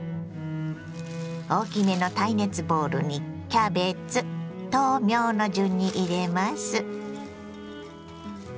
大きめの耐熱ボウルにキャベツ豆苗の順に入れます。